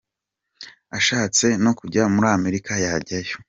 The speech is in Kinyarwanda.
ashatse no kujya muri Amerika yajyayo.